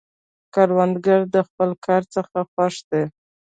کروندګر د خپل کار څخه خوښ دی